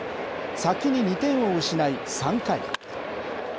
先に２点を失い、３回。